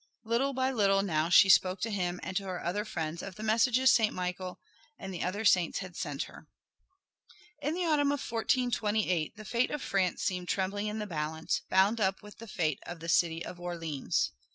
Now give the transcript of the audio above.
Little by little now she spoke to him and to her other friends of the messages Saint Michael and the other saints had sent her. In the autumn of 1428 the fate of France seemed trembling in the balance, bound up with the fate of the city of Orleans.